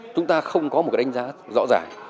chúng ta không có một đánh giá rõ ràng